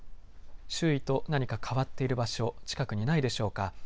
周囲と何か変わっている場所、近くにないでしょうか。